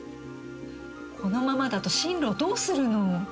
このままだと進路どうするの？